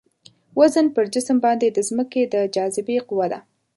وزن پر جسم باندې د ځمکې د جاذبې قوه ده.